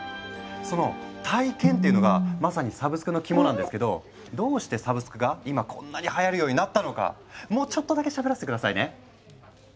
その体験っていうのがまさにサブスクの肝なんですけどどうしてサブスクが今こんなにはやるようになったのかもうちょっとだけしゃべらせて下さいね。